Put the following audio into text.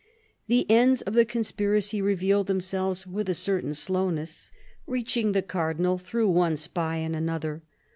The ends of the conspiracy revealed themselves with a certain slowness, reaching the Cardinal through one spy and another.